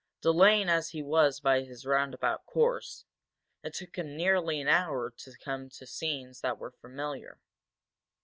Delaying as he was by his roundabout course, it took him nearly an hour to come to scenes that were familiar.